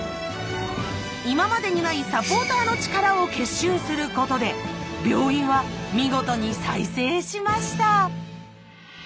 今までにないサポーターの力を結集することで病院は見事に再生しました。